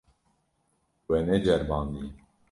We neceribandiye.